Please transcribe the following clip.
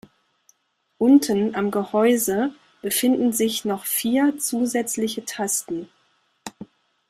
Unten am Gehäuse befinden sich noch vier zusätzliche Tasten.